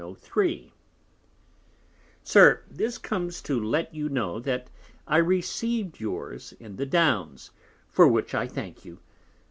SIR, This comes to let you know that I received yours in the Downs, for which I thank you.